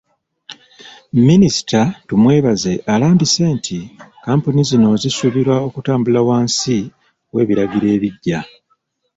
Minisita Tumwebaze alambise nti kkampuni zino zisuubirwa okutambulira wansi w'ebiragiro ebiggya.